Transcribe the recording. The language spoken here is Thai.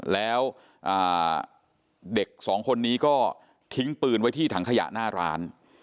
แล้วเด็กสองคนนี้ก็ทิ้งปืนไว้ที่ถังขยะหน้าร้าน